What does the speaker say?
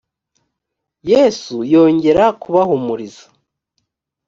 yesu yongera kubahumuriza